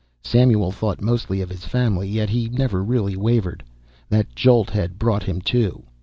Samuel thought mostly of his family, yet he never really wavered. That jolt had brought him to.